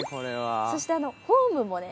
そしてホームもね